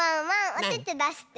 おててだして。